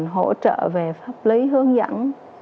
hỗ trợ về pháp lý hướng dẫn